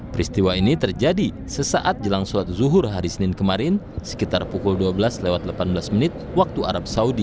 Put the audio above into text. peristiwa ini terjadi sesaat jelang sholat zuhur hari senin kemarin sekitar pukul dua belas lewat delapan belas menit waktu arab saudi